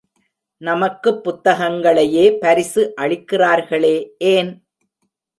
நமக்குப் புத்தகங்களையே பரிசு அளிக்கிறார்களே, ஏன்?